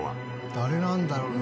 誰なんだろうな？